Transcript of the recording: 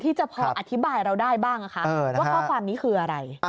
ที่จะพออธิบายเราได้บ้างว่าข้อความนี้คืออะไร